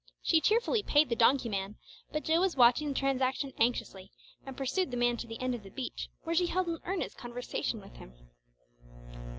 She cheerfully paid the donkey man, but Jill was watching the transaction anxiously, and pursued the man to the end of the beach, where she held an earnest conversation with him.